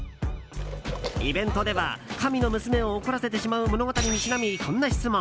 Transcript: イベントでは、神の娘を怒らせてしまう物語にちなみこんな質問。